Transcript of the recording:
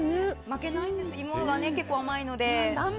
負けないんです芋が結構甘いので。